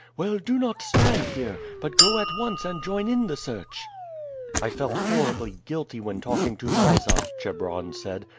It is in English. Well, do not stand here, but go at once and join in the search." "I felt horribly guilty when talking to Mysa," Chebron said.